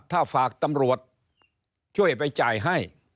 ถ้าฝากตำรวจช่วยไปจ่ายให้